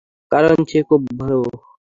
কারন সে খুব ভালো।